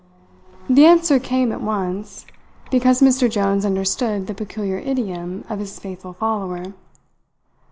The answer came at once, because Mr. Jones understood the peculiar idiom of his faithful follower.